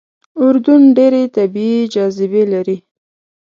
اردن ډېرې طبیعي جاذبې لري.